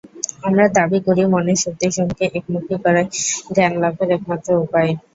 আমরা দাবী করি, মনের শক্তিসমূহকে একমুখী করাই জ্ঞানলাভের একমাত্র উপায়।